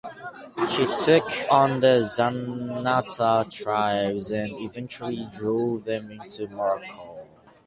He took on the Zanata tribes and eventually drove them into Morocco.